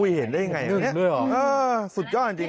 นี่เห็นได้รึยังไงสุดยอดจริง